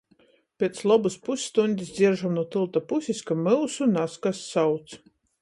Piec lobys pusstuņdis dzieržam nu tylta pusis, ka myusu nazkas sauc.